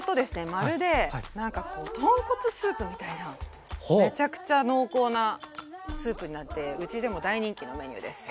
まるでなんかこう豚骨スープみたいなめちゃくちゃ濃厚なスープになってうちでも大人気のメニューです。